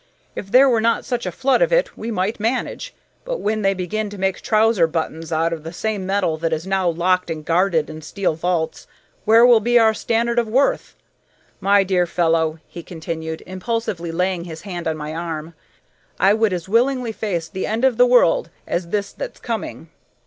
If there were not such a flood of it, we might manage, but when they begin to make trousers buttons out of the same metal that is now locked and guarded in steel vaults, where will be our standard of worth? My dear fellow," he continued, impulsively laying his hand on my arm, "I would as willingly face the end of the world as this that's coming!"